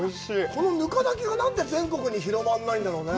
このぬか炊きが何で全国に広まんないんだろうね。